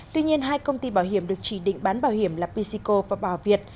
tuy nhiên hai công ty bảo hiểm được chỉ định bán bảo hiểm là pysico và bảo việt